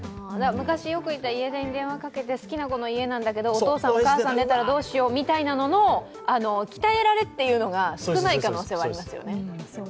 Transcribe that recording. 昔よくいた家電に電話をかけて、好きな子の家なんだけどお父さん・お母さん出たらどうしようみたいなののあの鍛えられというのが少ない可能性はありますよね。